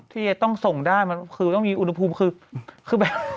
ที่จะต้องส่งได้มันคือต้องมีอุณหภูมิคือแบบ